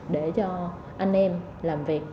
để cho anh em làm việc